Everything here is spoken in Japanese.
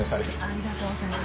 ありがとうございます